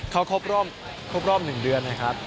เขาครบรอบ๑เดือนนะครับ